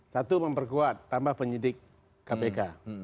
satu memperkuat tambah penyidik kpk